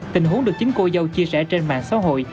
tình huống được chính cô dâu chia sẻ trên mạng xã hội